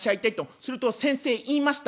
すると先生言いました」。